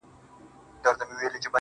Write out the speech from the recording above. • زه يم دا مه وايه چي تا وړي څوك.